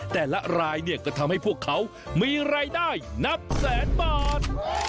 แต่ละรายเนี่ยก็ทำให้พวกเขามีรายได้นับแสนบาท